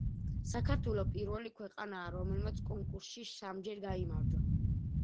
საქართველო პირველი ქვეყანაა, რომელმაც კონკურსში სამჯერ გაიმარჯვა.